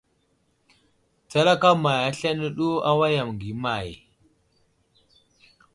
Tsakala may aslane ɗu awayam məŋgay əmay !